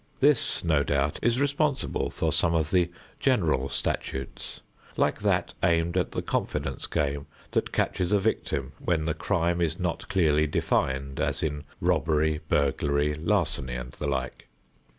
This, no doubt, is responsible for some of the general statutes like that aimed at the confidence game that catches a victim when the crime is not clearly defined as in "robbery," "burglary," "larceny" and the like.